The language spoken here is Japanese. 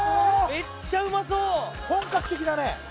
めっちゃうまそう本格的だね